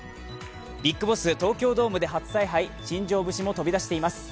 ＢＩＧＢＯＳＳ、東京ドームで初采配、新庄節も飛び出しています。